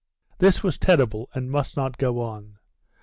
This was terrible, and must not go on.